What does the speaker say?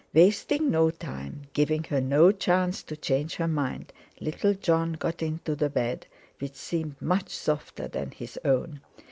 Wasting no time, giving her no chance to change her mind, little Jon got into the bed, which seemed much softer than his own.